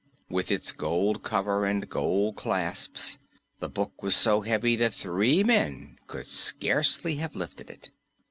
With its gold cover and gold clasps, the book was so heavy that three men could scarcely have lifted it.